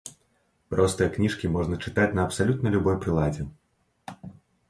Простыя кніжкі можна чытаць на абсалютна любой прыладзе.